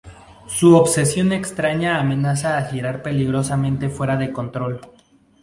Su obsesión extraña amenaza a girar peligrosamente fuera de control.